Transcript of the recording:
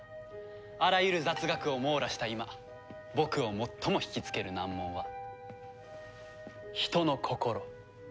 あらゆる雑学を網羅した今僕を最も引きつける難問は人の心。